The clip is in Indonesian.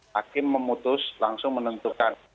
hakim memutus langsung menentukan